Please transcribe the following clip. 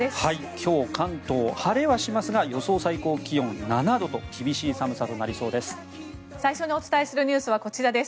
今日関東晴れはしますが予想最高気温７度と厳しい寒さとなりそうです。